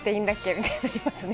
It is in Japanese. みたいになりますね。